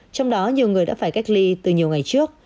trong đó nhiều người đã phải cách ly từ nhiều ngày trước